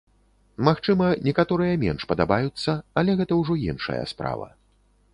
Магчыма, некаторыя менш падабаюцца, але гэта ўжо іншая справа.